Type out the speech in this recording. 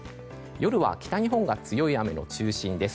夜は北日本が強い雨の中心です。